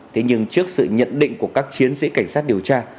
thế nhưng trước sự nhận định của các chiến sĩ cảnh sát điều tra